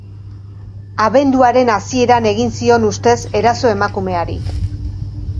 Abenduaren hasieran egin zion ustez eraso emakumeari.